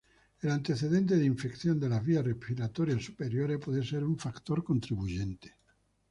El antecedente de infección de las vías respiratorias superiores puede ser un factor contribuyente.